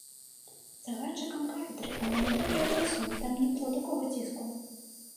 З загадчыкам кафедры ў мяне добрыя адносіны, там не было такога ціску.